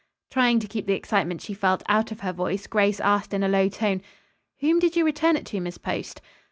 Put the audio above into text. Trying to keep the excitement she felt out of her voice, Grace asked in a low tone, "Whom did you return it to, Miss Post?"